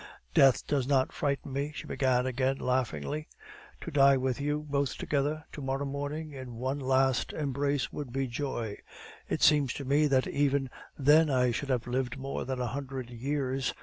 Death does not frighten me," she began again, laughingly. "To die with you, both together, to morrow morning, in one last embrace, would be joy. It seems to me that even then I should have lived more than a hundred years.